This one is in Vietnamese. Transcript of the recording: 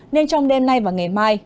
nên trong đêm nay và ngày mai